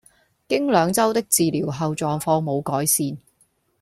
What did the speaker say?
經兩周的治療後狀況無改善